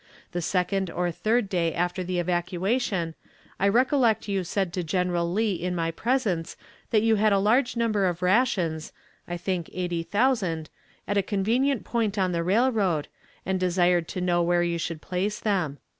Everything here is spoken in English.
... The second or third day after the evacuation, I recollect you said to General Lee in my presence that you had a large number of rations (I think eighty thousand) at a convenient point on the railroad, and desired to know where you should place them.